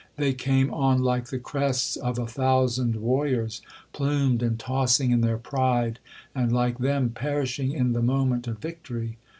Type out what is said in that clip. They came on like the crests of a thousand warriors, plumed and tossing in their pride, and, like them, perishing in the moment of victory.